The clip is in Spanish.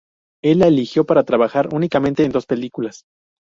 Él la eligió para trabajar únicamente en dos películas.